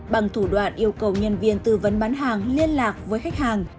bằng thủ đoạn yêu cầu nhân viên tư vấn bán hàng liên lạc với khách hàng